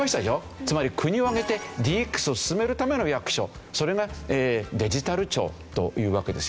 つまり国を挙げてＤＸを進めるための役所それがデジタル庁というわけですよね。